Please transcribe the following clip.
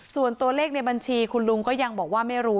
ส่วนตัวเลขในบัญชีคุณลุงก็ยังบอกว่าไม่รู้